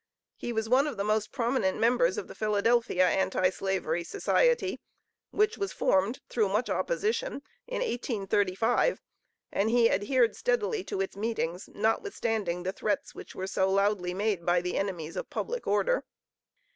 He was one of the most prominent members of the Philadelphia Anti slavery Society, which was formed through much opposition, in 1835, and he steadily adhered to its meetings, notwithstanding the threats which were so loudly made by the enemies of public order.